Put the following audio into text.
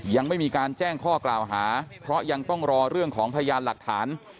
ยังไม่มีการแจ้งข้อกล่าวหาเพราะยังต้องรอเรื่องของพยานหลักฐาน